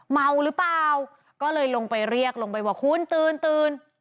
เมาหรือเปล่าก็เลยลงไปเรียกลงไปว่าคุณตื่นตื่น